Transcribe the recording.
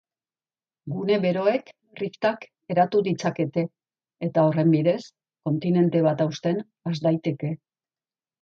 Gune beroek riftak eratu ditzakete, eta horren bidez, kontinente bat hausten has daiteke.